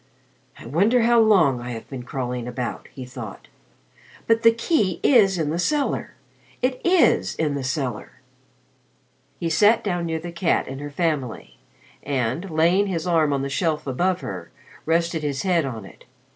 "I wonder how long I have been crawling about," he thought. "But the key is in the cellar. It is in the cellar." He sat down near the cat and her family, and, laying his arm on the shelf above her, rested his head on it.